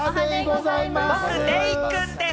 僕デイくんです！